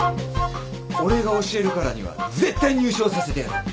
俺が教えるからには絶対入賞させてやる！